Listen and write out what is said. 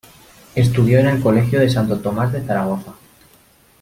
Estudió en el colegio de Santo Tomás de Zaragoza.